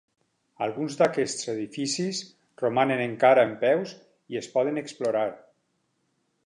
Alguns d'aquests edificis romanen encara en peus i es poden explorar.